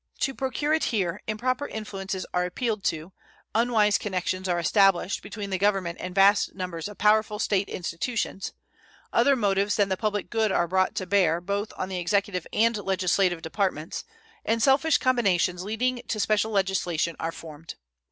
To procure it here improper influences are appealed to, unwise connections are established between the Government and vast numbers of powerful State institutions, other motives than the public good are brought to bear both on the executive and legislative departments, and selfish combinations leading to special legislation are formed.